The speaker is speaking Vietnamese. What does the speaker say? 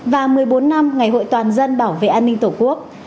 và một mươi bốn năm ngày hội toàn dân bảo vệ an ninh tổ quốc